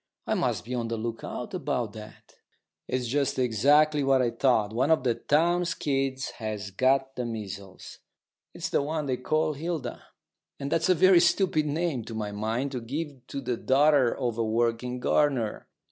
I must be on the lookout about that. It's just exactly what I thought. One of Townes' kids has got the measles. It's the one they call Hilda; and that's a very stupid name, to my mind, to give to the daughter of a working gardener.